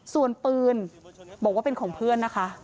ส่วนปืนบอกว่าเป็นของเพื่อนนะคะ